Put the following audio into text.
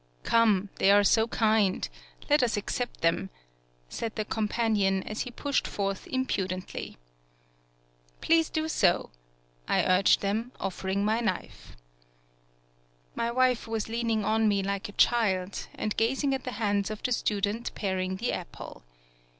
"Come, they are so kind. Let us ac cept them," said the companion, as he pushed forth impudently. 151 PAULOWNIA "Please do so," I urged them, offer ing my knife. My wife was leaning on me like a child, and gazing at the hands of the student paring the apple.